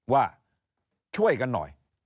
ว่าช่วยกันหน่อย